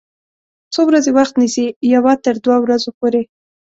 څو ورځې وخت نیسي؟ یوه تر دوه ورځو پوری